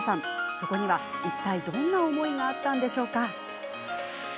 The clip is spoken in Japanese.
そこには、いったいどんな思いがあったんでしょうか。